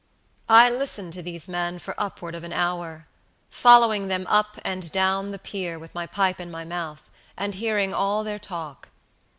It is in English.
"I listened to these men for upward of an hour, following them up and down the pier, with my pipe in my mouth, and hearing all their talk.